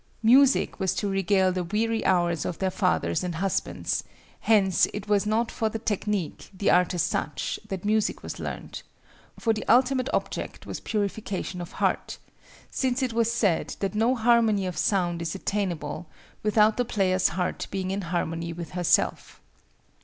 Music was to regale the weary hours of their fathers and husbands; hence it was not for the technique, the art as such, that music was learned; for the ultimate object was purification of heart, since it was said that no harmony of sound is attainable without the player's heart being in harmony with herself.